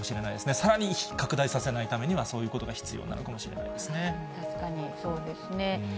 さらに拡大させないためには、そういうことが必要なのかもしれ確かにそうですね。